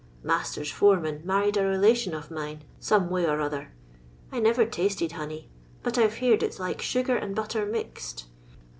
Master's fore man married a relation of mine, some wny or other. I never tasted honey, but I 've heered it's like sugar and butter mixed.